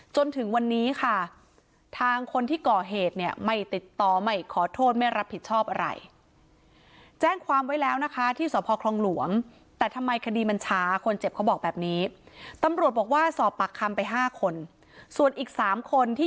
จนถึงวันนี้ค่ะทางคนที่ก่อเหตุไม่ติดต่อไม่ขอโทษไม่รับผิดชอบอะไร